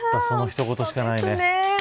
その一言しかないね。